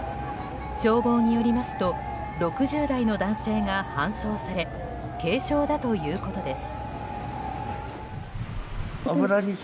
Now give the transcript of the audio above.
消防によりますと６０代の男性が搬送され軽傷だということです。